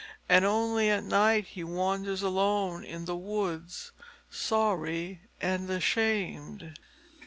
And only at night he wanders alone in the woods, sorry and ashamed.